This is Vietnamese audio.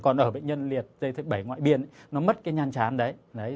còn ở bệnh nhân liệt dây thần kinh số bảy ngoại biên nó mất cái nhăn chán đấy